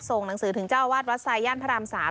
หนังสือถึงเจ้าอาวาสวัดไซย่านพระราม๓